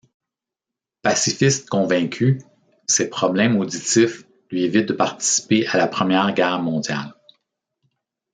Pacifiste convaincu, ses problèmes auditifs lui évitent de participer à la Première Guerre mondiale.